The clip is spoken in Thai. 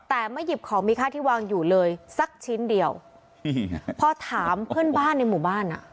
แต่ไม่หยิบของมีค่าที่วางอยู่เลยสักชิ้นเดียวพอถามเพื่อนบ้านในหมู่บ้านอ่ะ